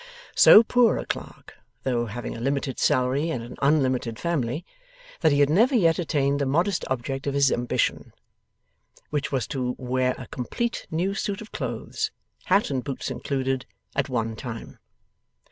So poor a clerk, though having a limited salary and an unlimited family, that he had never yet attained the modest object of his ambition: which was, to wear a complete new suit of clothes, hat and boots included, at one time.